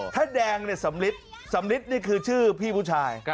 ถ้าแดงเนี่ยสำลิดสำลิดนี่คือชื่อพี่ผู้ชาย